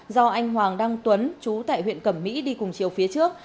do anh hoàng đăng tuấn chú tại huyện cẩm mỹ đi cùng chiều phía trước